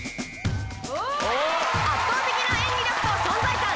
圧倒的な演技力と存在感！